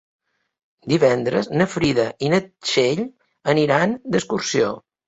Divendres na Frida i na Txell aniran d'excursió.